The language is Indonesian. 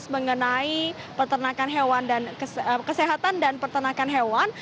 mengenai kesehatan dan peternakan hewan